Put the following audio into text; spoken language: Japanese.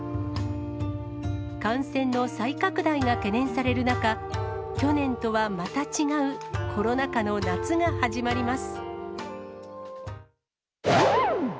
感染の再拡大が懸念される中、去年とはまた違う、コロナ禍の夏が始まります。